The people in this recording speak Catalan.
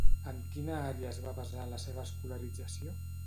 En quina àrea es va basar la seva escolarització?